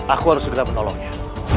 aku harus segera menolongnya